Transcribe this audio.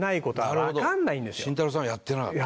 慎太郎さんやってなかった。